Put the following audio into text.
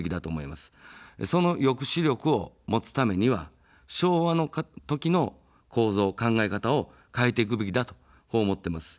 その抑止力を持つためには昭和の時の構造、考え方を変えていくべきだと思っています。